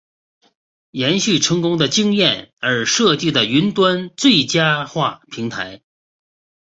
延续成功的经验而设计的云端最佳化平台。